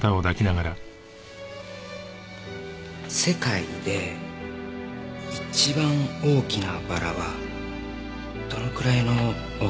世界で一番大きなバラはどのくらいの大きさかな？